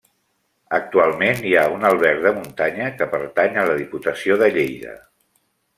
Actualment hi ha un alberg de muntanya, que pertany a la Diputació de Lleida.